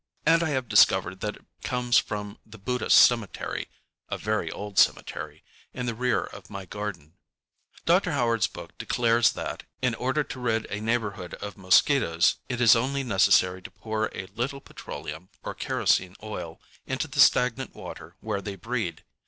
And I have discovered that it comes from the Buddhist cemetery, ŌĆöa very old cemetery, ŌĆöin the rear of my garden. Dr. HowardŌĆÖs book declares that, in order to rid a neighborhood of mosquitoes, it is only necessary to pour a little petroleum, or kerosene oil, into the stagnant water where they breed.